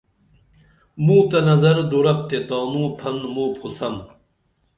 موں تہ نظر دُرپ تے تانوں پھن موں پُھوسم